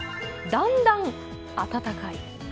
だんだん暖かい。